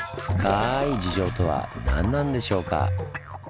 深い事情とは何なんでしょうか？